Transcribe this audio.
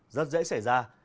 rất dễ xảy ra